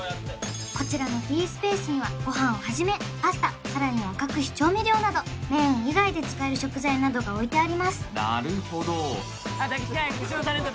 こちらのフリースペースにはご飯をはじめパスタさらには各種調味料などメイン以外で使える食材などが置いてありますなるほど抱きつかないうちのタレント